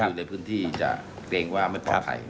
อยู่ในพื้นที่จะเกรงว่าไม่ปลอดภัย